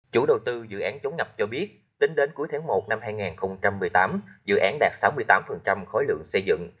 chủ đầu tư dự án chống ngập cho biết tính đến cuối tháng một năm hai nghìn một mươi tám dự án đạt sáu mươi tám khối lượng xây dựng